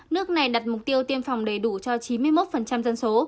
nước này đặt mục tiêu tiêm phòng đầy đủ cho chín mươi một dân số